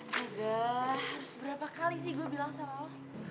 setiga harus berapa kali sih gue bilang sama lo